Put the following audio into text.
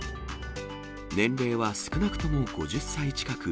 年齢は少なくとも５０歳近く。